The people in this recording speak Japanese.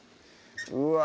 うわ